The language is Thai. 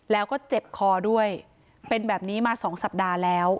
แล้วก็เจ็บคอด้วยเป็นแบบนี้มา๒สัปดาห์แล้ว